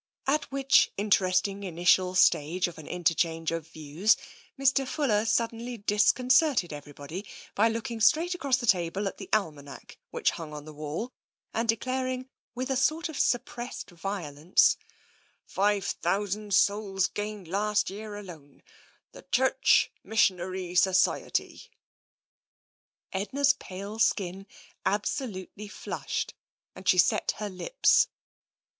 At which interesting initial stage of an interchange of views, Mr. Fuller suddenly disconcerted everybody by looking straight across the table at the almanack which hung upon the wall, and declaring with a sort of suppressed violence :" Five thousand souls gained last year alone — The Church Mission Society." Edna's pale skin absolutely flushed and she set her lips.